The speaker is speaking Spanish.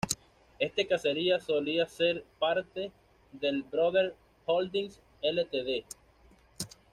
Este caserío solía ser parte del "Brothers Holdings Ltd.